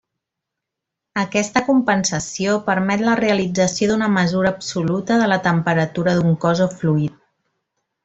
Aquesta compensació permet la realització d'una mesura absoluta de la temperatura d'un cos o fluid.